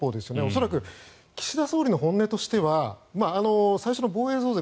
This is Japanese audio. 恐らく岸田総理の本音としては最初の防衛増税